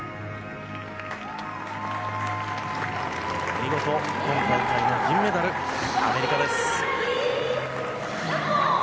見事、今大会の銀メダルアメリカです。